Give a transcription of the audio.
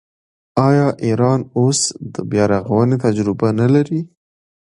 آیا ایران اوس د بیارغونې تجربه نلري؟